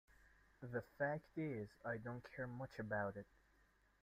The fact is, I don't care much about it.